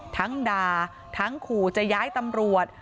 ทั้งด่าทั้งขู่จะย้ายตำรวจ